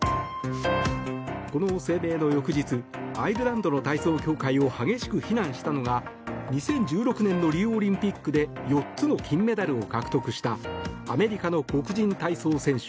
この声明を翌日アイルランドの体操協会を激しく非難したのが２０１６年のリオオリンピックで４つの金メダルを獲得したアメリカの黒人体操選手